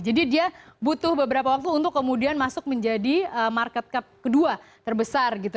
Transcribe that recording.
jadi dia butuh beberapa waktu untuk kemudian masuk menjadi market cap kedua terbesar gitu